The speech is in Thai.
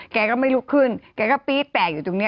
แกก็ไม่ลุกขึ้นแกก็ปี๊ดแตกอยู่ตรงนี้